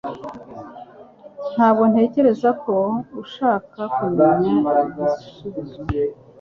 Ntabwo ntekereza ko ushaka kumenya igisubizo